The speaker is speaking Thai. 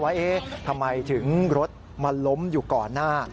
ว่าเอ๊ะทำไมถึงรถมันล้มอยู่ก่อนหน้า